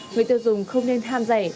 người tiêu dùng không nên ham rẻ